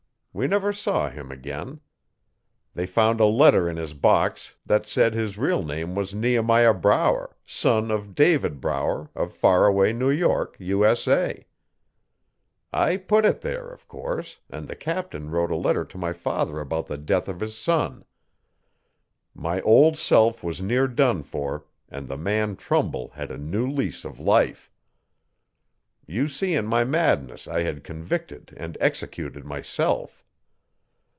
We never saw him again. They found a letter in his box that said his real name was Nehemiah Brower, son of David Brower, of Faraway, NY, USA. I put it there, of course, and the captain wrote a letter to my father about the death of his son. My old self was near done for and the man Trumbull had a new lease of life. You see in my madness I had convicted and executed myself.